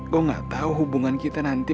gue gak tahu hubungan kita nanti